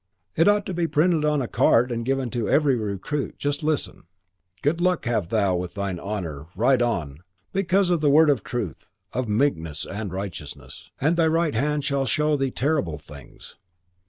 It ought to be printed on a card and given to every recruit. Just listen: "Good luck have thou with thine honour; ride on, because of the word of truth, of meekness and of righteousness: and thy right hand shall show thee terrible things.